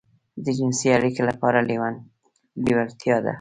د جنسي اړيکې لپاره لېوالتيا ده.